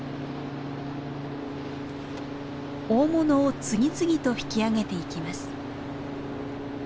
大物を次々と引き上げていきます。